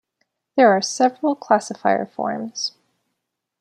There are several classifier forms.